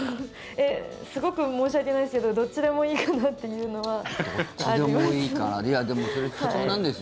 すごく申し訳ないんですけどどっちでもいいかなというのはあります。